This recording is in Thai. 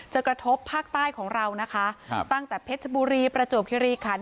กระทบภาคใต้ของเรานะคะตั้งแต่เพชรบุรีประจวบคิริขัน